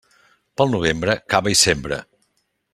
Pel novembre, cava i sembra.